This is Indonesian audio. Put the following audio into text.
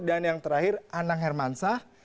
dan yang terakhir anang hermansah